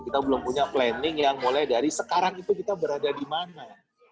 kita belum punya planning yang mulai dari sekarang itu kita berada di mana